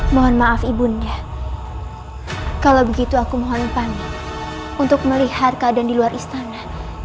mohon maaf ibunya kalau begitu aku mohon panik untuk melihat keadaan di luar istana